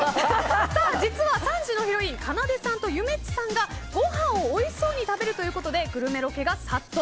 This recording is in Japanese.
実は、３時のヒロインかなでさんとゆめっちさんがごはんをおいしそうに食べるということでグルメロケが殺到。